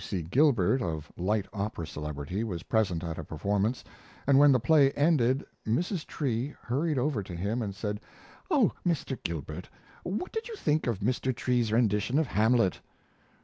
W. S. Gilbert, of light opera celebrity, was present at a performance, and when the play ended Mrs. Tree hurried over to him and said: "Oh, Mr. Gilbert, what did you think of Mr. Tree's rendition of Hamlet?"